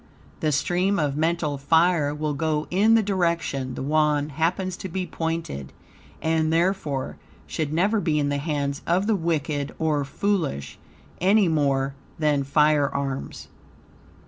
The stream of mental fire will go in the direction the Wand happens to be pointed, and, therefore, should never be in the hands of the wicked or foolish, any more than firearms.